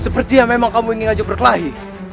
sepertinya memang kamu ingin aja berkelahi